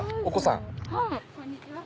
お子さん？